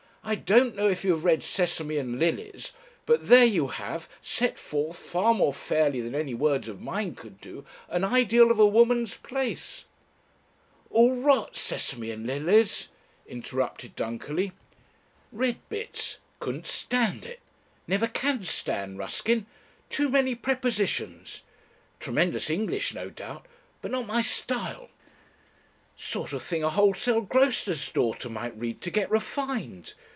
"I don't know if you have read Sesame and Lilies, but there you have, set forth far more fairly than any words of mine could do, an ideal of a woman's place ..." "All rot Sesame and Lilies," interrupted Dunkerley. "Read bits. Couldn't stand it. Never can stand Ruskin. Too many prepositions. Tremendous English, no doubt, but not my style. Sort of thing a wholesale grocer's daughter might read to get refined.